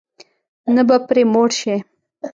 نه به پرې موړ شې.